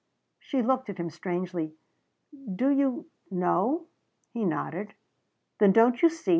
She looked at him strangely. "Do you know?" He nodded. "Then don't you see?